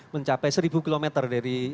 mencapai seribu km dari